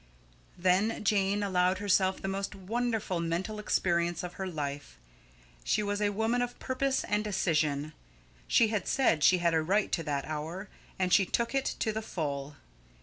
Then Jane allowed herself the most wonderful mental experience of her life. She was a woman of purpose and decision. She had said she had a right to that hour, and she took it to the full.